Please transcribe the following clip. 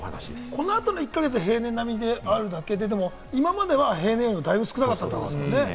この後の１か月は平年並みであるだけで、今までは平年よりだいぶ少なかったってことですもんね。